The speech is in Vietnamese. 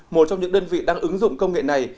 một trong những đơn vị đang ứng dụng công nghệ này